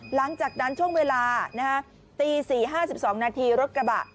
หลังจากนั้นช่วงเวลาตี๔๕๒นาทีรถกระบะ